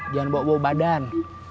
jangan bawa bawa badan